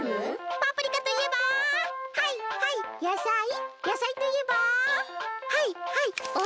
パプリカといえばはいはいあかい！